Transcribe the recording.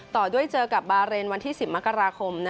ต่อด้วยเจอกับบาเรนวันที่๑๐มกราคม